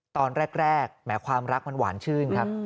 ตอนแรกแหมความรักมันหวานชื่นครับ